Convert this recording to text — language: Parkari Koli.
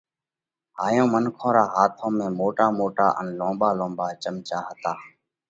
هائيون منکون رون هاٿون ۾ موٽا موٽا ان لونٻا لونٻا چمچا هتا